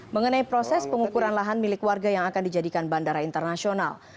mengenai proses pengukuran lahan milik warga yang akan dijadikan bandara internasional